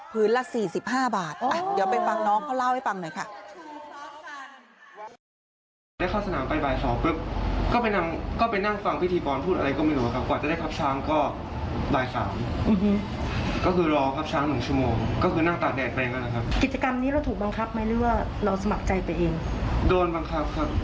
ละ๔๕บาทเดี๋ยวไปฟังน้องเขาเล่าให้ฟังหน่อยค่ะ